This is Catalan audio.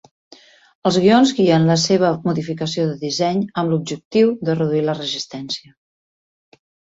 Els guions guien la seva modificació de disseny, amb l'objectiu de reduir la resistència.